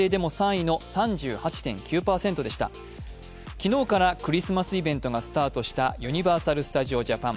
昨日からクリスマスイベントがスタートしたユニバーサル・スタジオ・ジャパン。